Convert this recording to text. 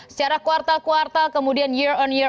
secara kuartal kuartal kemudian year on year